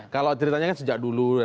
kalau ceritanya kan sejak dulu